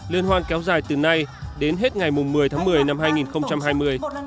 liên hoan kéo dài từ nay đến hết ngày một mươi tháng một mươi năm hai nghìn hai mươi